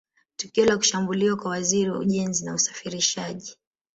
Tukio la kushambuliwa kwa Waziri wa Ujenzi na Usafirishaji